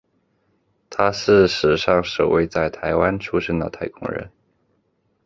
他是史上首位在台湾出生的太空人。